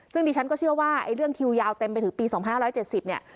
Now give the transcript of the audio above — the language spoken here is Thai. ซึ่งดิฉันก็เชื่อว่าไอ้เรื่องคิวยาวเต็มไปถึงปี๒๕๗๐เนี่ย